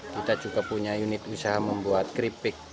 kita juga punya unit usaha membuat keripik